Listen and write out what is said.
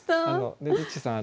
ねづっちさん